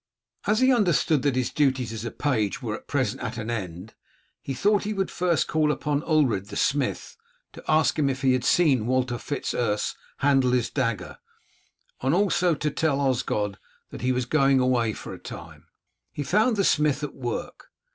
As he understood that his duties as a page were at present at an end, he thought he would first call upon Ulred the smith, to ask him if he had seen Walter Fitz Urse handle his dagger, and also to tell Osgod that he was going away for a time. He found the smith at work.